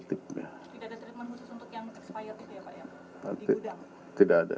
tidak ada treatment khusus untuk yang expired itu ya pak ya